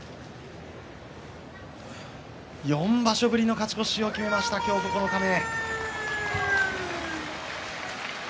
４場所ぶりの勝ち越しを決めました、九日目。